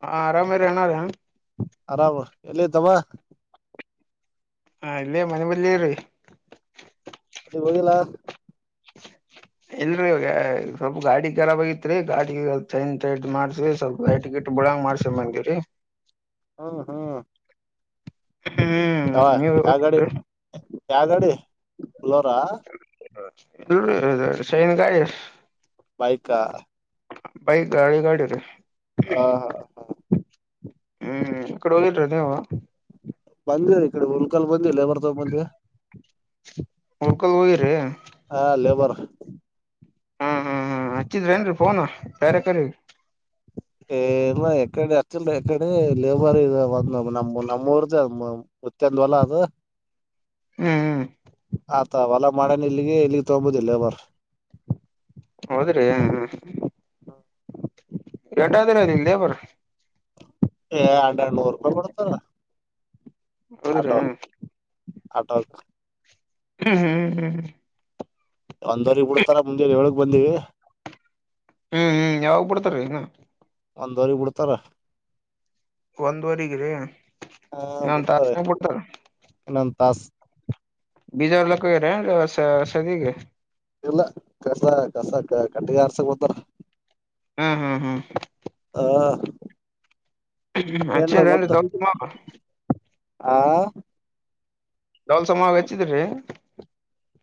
ಹ ಆರಾಮೇ ರನ ಹ ಆರಾಮ್ ಎಲ್ಲಿ ಇದ್ದಮ್ಮ ಹಾ ಇಲ್ಲೇ ಮನೆ ಬಲ್ಲೀ ಅ ಬೋಗಲ್ಲ [unintelligible] ಇಲ್ರೀ ಇವಾಗ ಸ್ವಲ್ಪ ಗಾಡಿ ರಾಬ್ ಆಗಐತ್ರಿ ಗಾಡಿ ಮಾಡ್ಸಿ ಸ್ವಲ್ಪ ಗ ಗ ಬುಳಂಗ ಮಾಡ್ಸ ಬಂದೀವ್ರೀ ಹ್ಮ್ ಹ್ಮ್ ಹ್ಮ್ ಹ ನೀವು ಯ ಗಾಡಿ ಯ ಗಾಡಿ ಬಲೋರಾ ಇ ಸೈನ್ ಗಾಯಿ ಬಾಯಕ ಬೈ ಗಾಡಿ ಗಾಡಿ ರೀ ಹಾ ಹಾ ಹಾ ಹ್ಮ್ ಇಕಡೆ ಹಓದಲ್ರದವಾ ಬಂದವರಿ ಈ ಕಡೆ ಹುಲ್ಕಾ ಬಂದಿವವಿ ಲೇಬರ್ ತ ಬಂದಿವವಿ ಹಕಲ್ ಹೋಗಿರಿ ಹಾ ಲೇಬರ್ ಹ್ಮ್ ಹ್ಮ್ ಹ್ಮ್ ಹಚ್ಚಿದ್ರಿ ಏನ್ರಿ ಫೋನ್ ಬೇರೆೇಕ್ರ ಏ ಎಕಡೆ ಅ ಎಕಡೆ ಲೇಬರ್ ಇ ಒಂದ ನಮ ನಮ್ಮೂಊರ್ ಗತ್ತಂದ್ವಲ ಅದು ಹ್ಮ್ ಹ್ಮ ಆತ ಅವಲ್ಲ ಮಾಡೇನ ಇಲ್ಲಿಗೆ ಇಲ್ಲಿಗ್ ತೊಗಬೋದಿಲ್ಲೇವರ್ ಹೌದ್ರಿ ಎಟಾದ್ರ ನಿಮ ದೇ ಬರ ಏ ಎರೆರಡು ನೂರು ರೂಪಾಯಿ ಕೊಡತದ ಹೌದ್ರಿ ಅಡೋ ಹ್ಮ್ ಅಡ ಹ್ಮ್ ಹ್ಮ್ ಹ್ಮ್ ಒಂದ್ವರೆಗ್ ಬಿಡ್ತಾರ ಮುಂದೆ ಏಳಗ್ ಬಂದಿವವಿ ಹ್ಮ್ ಹ್ಮ್ ಯಾವಾಗ್ ಬಿಡ್ತಾರ ಇನ್ನ ಒಂದವರಿ ಬಿಡ್ತಾರ ಒಂದುವರಿಗ್ರಿ ಹಾ ಇನ್ನೊಂದ್ ಬಿಡ್ತಾರೆ ತಾಸ್ನಾಗ್ ಬಿಡ್ತಾರ ಇನ್ನೊಂದ ತಾಸ ಬೀಜಾ ಒಲಕ್ಕ ರ ಸದಗೆ ಇಲ್ಲ ಕರ್ಸ ಕಸ ಕಟ್ಟಗೆ ಯಾರ್ಸಾಕ ಬರ್ತರೆ ಹ್ಮ್ ಹ್ಮ್ ಹ್ಮ್ ಹಾ [unintelligible] ಆ [unintelligible]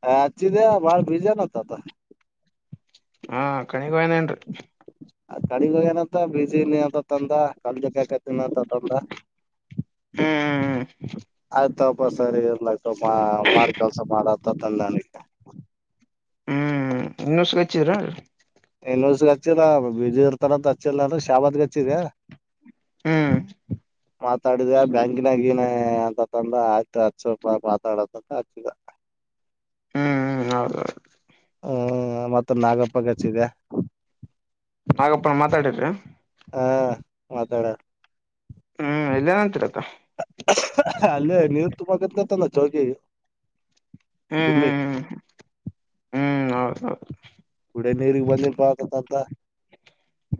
ಹ ಅಚ್ಚಿದೆ ಬಳ ಭೀಜೆ ನತ ಹಾ ಕಣಿಗ್ ಹಯನೇಏನ್ರಿ [unintelligible] [unintelligible] ಹಾ ಆಯ್ತಪ ಸರಿ ಇಲ್ಲಯ್ತ ಮಾಡಿ ಕೆಲ್ಸ ಮಾಡತ ತಂದ ನನಗೆ ಹ್ಮ್ ಇನ್ನೂ [unintelligible] ಇನ್ಸ ಸಹ ಹಚ್ಚಿಲ್ಲ ಅವು ಬಿಝೀ ಇರ್ತಾರಂತ ಹಚ್ಚಿಲ್ಲ ನಾ ಶಾಬತ್ಗ ಹಚ್ಚಿದೆ ಹ್ಮ್ ಮಾತಾಡಿದ ಬ್ಯಾಂಕಿನ ಗಿನ ಅಂತ ಅಂತನ್ ತಂದ ಆಯ್ತು ಹತ್ ಸ್ವಲ್ಪ ಮಾತಾಡತ್ತಂತ ಹಚ್ಚಿದ [inaudible] ಹ್ಮ ಹ್ಮ ಹೌದೌದು ಹ ಮತ್ತ ನಾಗಪ್ಪಗೆ ನಾಗಪ್ಪ ಮಾತಾಡಿದ್ರಿ ಮಾತಾಡಿದರೆ ಹ್ಮ್ ಏಲ್ಯಾನಂತ ರೀ ಹತ ಅಲ್ಲೇ ನೀರ್ ತುಂಬ ಕತ್ತಾಂದ ಜೋಗಿ ಹ್ಮ್ ಗುಮ್ಮಿ ಹ್ಮ್ ಹ್ಮ್ ಹ್ಮ್ ಹೌದೌದು ಕುಡಿ ನೀರು ಬಂದೇ ಅಂತಂದ ಹತ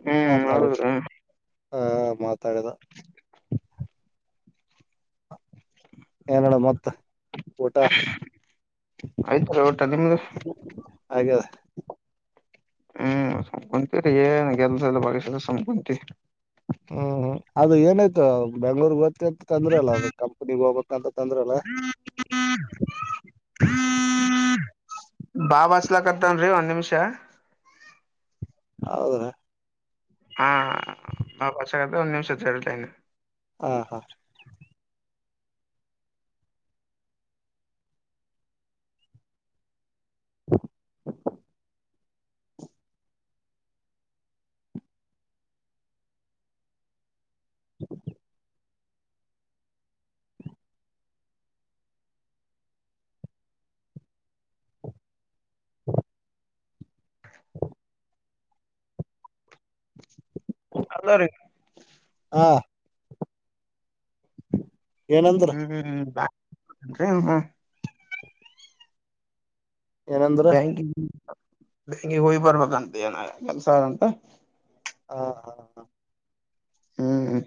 ಹ್ಮ್ ಹೌದ್ರೀ ಹಾ ಮಾತಾಡಿದ ಏನಡ ಮತ್ತ ಊಟ ಆಯ್ತ್ರಿ ಊಟ ನಿಮ್ಮ್ದ ಹಾಗ್ಯದ ಹ್ಮ್ ಸುಮ್ಕುಂತೀನಿ ಏನ್ ಕೆಲಸ ಇಲ್ಲ ಸುಮ್ಕುಂತಿನಿ ಹ್ಮ್ ಅದು ಏನಾಯ್ತು ಬೆಂಗಳೂರು ಹೋಗ್ತೇನ್ ಅಂದ್ರಲ್ಲ ಅದು ಕಂಪ್ನಿಗ್ ಹೋಗ್ಬೇಕ ಅಂತ ಅಂದ್ರಲ್ಲ [inaudible] ಬಾವ ಹತ್ಲಾಕತ್ತಾನ ರೀ ಒಂದು ನಿಮಿಷ ಹೌದಾ ಹಾ ಒ ನಿಮಿಷ [inaudible] ಹಾ ಹಾ [unintelligible] [inaudible] ಹಲೋರಿ ಹಾ [inaudible] ಹಾ ಹೂ [unintelligible] ಏನಂದ್ರ ಬ್ಯಾಂಕಗಿ ಬ್ಯಾಂಕಿಗೆ ಹೋಗಿ ಬರ್ಬೇಕಂತ ಏನ ಕೆಲಸದಂತ ಹಾ ಹಾ ಹಾ ಹ್ಮ್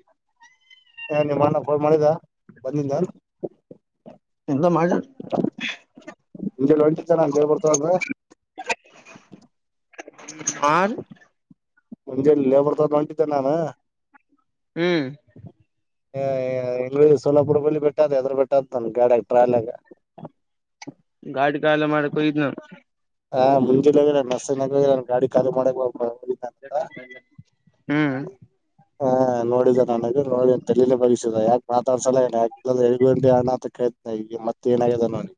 ಯಾರ ನಿಮ್ಮಣ್ಣ ಫೋನ್ ಮಾಡಿದ ಬಂದಿದ್ನೇನು ಇಲ್ಲ ಮಾಡಿಲ್ಲ ಮುಂಜೆಲಿ ಹೊಂಟಿದ್ದ ನಾನ್ ಲೇಬರ್ ತಗೊಂಡ ಆ ಮುಂಜೆೆ ಲೇಬರ್ ತ ಹೊಂಟಿದ್ದೆ ನಾನು ಹ್ಮ್ ಇಲ್ಲಿ ಸೋಲಾಪುರ ಬಳ ಬಿಟ್ಟದ ಎದ್ರ ಬಿಟ್ಟದನ್ ಗಾಡಿಯಾಗ ಟ್ರಾಲಾಗ ಗಾಡಿ ಖಾಲಿ ಮಾಡಕ್ಕೆ ಹೋಗಿದ್ನೇನು. ಹಾ ಮುಂಜಲಿ [unintelligible] ಗಾಡಿ ಖಾಲಿ ಮಾಡಕ್ ಹೋಗಿದ್ದೆ ಅಂತ ಹ್ಮ್ ಹಾ ನೋಡಿದ ನನಗ ನೋಡ ತಲೇ ಬಗಸಿದ ಯಾಕೆ ಮಾತಾಡ್ಸಲ್ಲ [unintelligible] ಅಣ್ಣ ಅಂತ ಕೆಳ್ [unintelligible] ಮತ್ತ ಏನಾಗಿದೆ ಅವನಿಗೆ.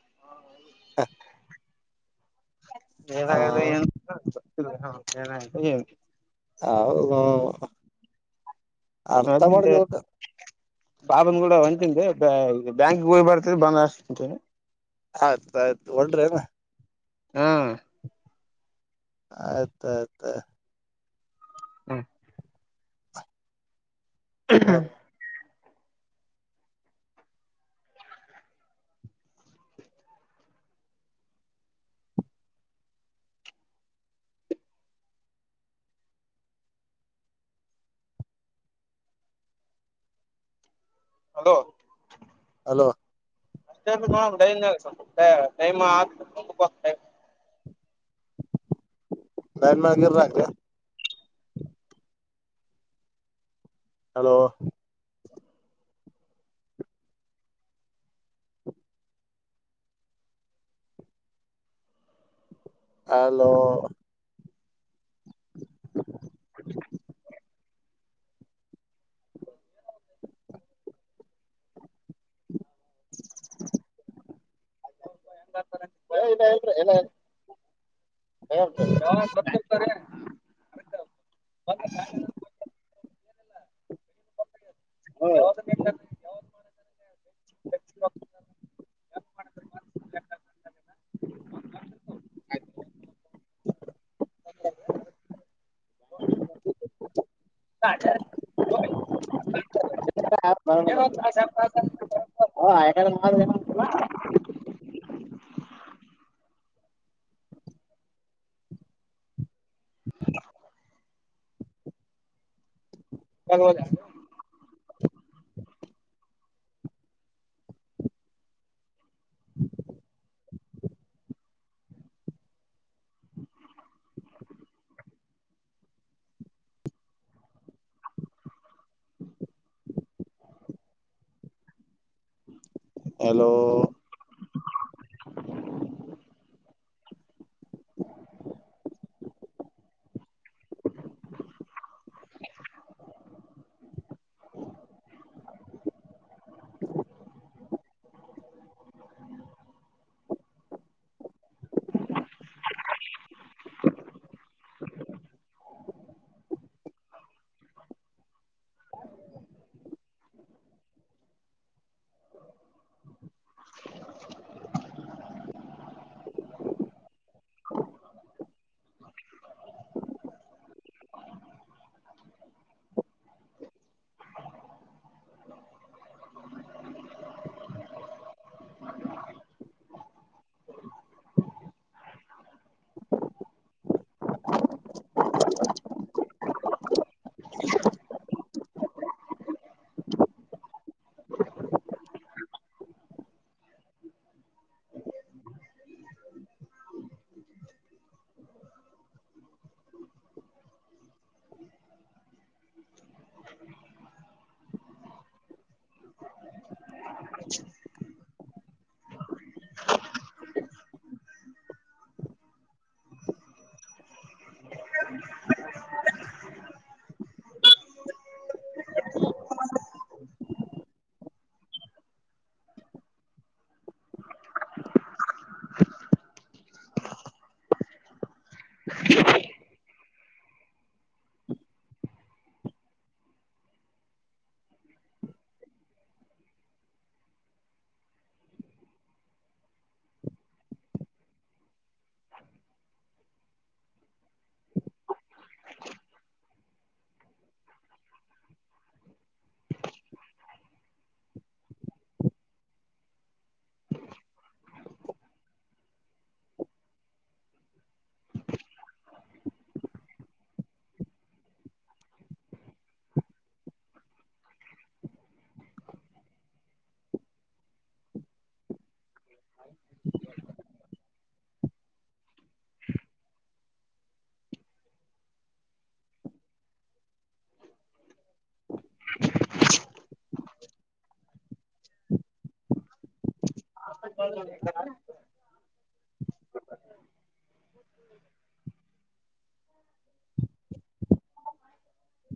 [inaudible] ಹಾ ಏನು [inaudible] ಹ [inaudible] ಅರ್ಥಮಾಡ್ಬೇಕ್ ಬಾವನ್ ಕೂಡ ಹೊಂಟಿದ್ದೆ ಬ್ಯಾಂಕಿಗ್ ಹೋಗ್ ಬರ್ತರಿ ಬಂದ ಹಾಕ್ಸ್ತೀನಿ. ಅರ್ಥ ಆಯ್ತು ಹೊಂಟ್ರೇನ. ಹಾ ಅರ್ಥ ಆಯ್ತಾ [unintelligible] ಹ್ಮ ಹ್ಮ್ ಹಲೋ ಹಲೋ ಅಷ್ಟೇ [unintelligible] [unintelligible] ಹಲೋ ಅಲೋ [unintelligible] ಯಾವಾಗ್ [unintelligible] [inaudible] ಯಾವಾಗ್ [unintelligible] [inaudible] [inaudible] [inaudible] ಹ [unintelligible] [inaudible] [inaudible] ಹಲೋ [inaudible] [inaudible] [inaudible] [inaudible] [inaudible] [inaudible] [inaudible] [inaudible] [inaudible] [inaudible]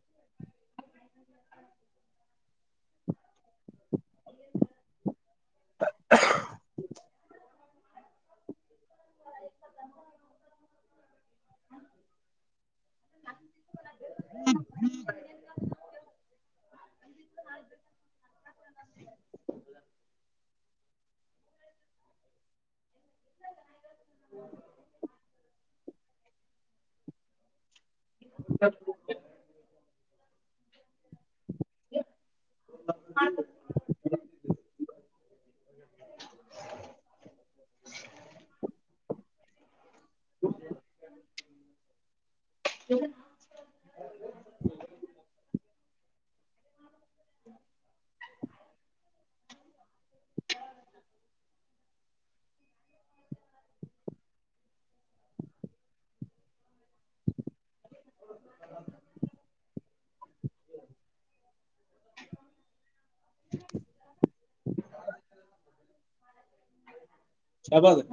[inaudible] [inaudible] [inaudible] [inaudible] [inaudible] [inaudible] [inaudible] [inaudible] [inaudible] [inaudible] [inaudible] [inaudible] [inaudible] [inaudible] [inaudible] [inaudible] ಶಾಬಾದ್.